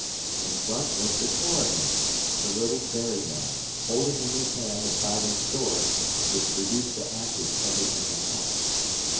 In front was the korigan the little fairy man holding in his hand the fiery sword, which reduced to ashes everything it touched.